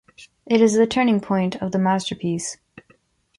It is the turning point of the masterpiece.